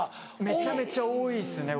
めちゃめちゃ多いですね